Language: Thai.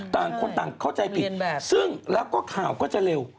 ต่างคนต่างเข้าใจผิดซึ่งแล้วก็ข่าวก็จะเร็ว